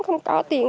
không có tiền